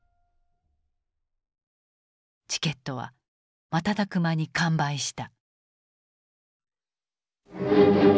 チケットは瞬く間に完売した。